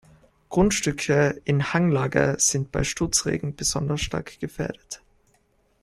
Grundstücke in Hanglage sind bei Sturzregen besonders stark gefährdet.